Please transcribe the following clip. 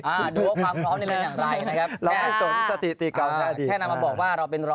อันราจล่าสุดนี่ก็เป็นเขาเรียกว่ามันเท่ากัน